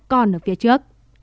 còn ở phía trước